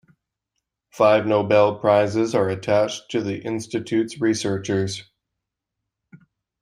Five Nobel prizes are attached to the Institute's researchers.